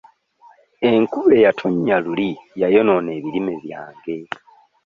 Enkuba eyatonnya luli yayonoona ebirime byange.